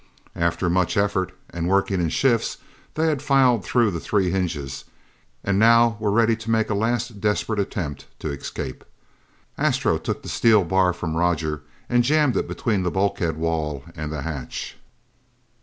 After much effort, and working in shifts, they had filed through the three hinges, and now were ready to make a last desperate attempt to escape. Astro took the steel bar from Roger and jammed it between the bulkhead wall and the hatch.